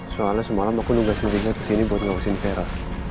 soalnya semalam aku nungguin riza kesini buat ngawesin vera